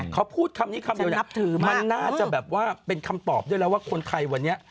เขาพูดคำนี้คำเดียวเนี่ยมันน่าจะแบบว่าเป็นคำตอบด้วยแล้วว่าคนไทยวันนี้